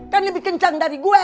kan lebih kencang dari gue